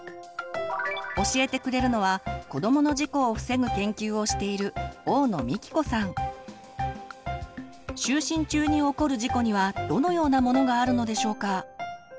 教えてくれるのは子どもの事故を防ぐ研究をしている就寝中に起こる事故にはどのようなものがあるのでしょうか？